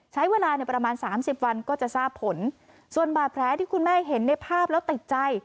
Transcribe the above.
ใช้เวลาในประมาณสามสิบวันก็จะทราบผลส่วนบาดแผลที่คุณแม่เห็นในภาพแล้วติดใจ